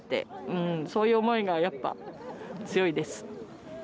そういう思いがやっぱ強いです。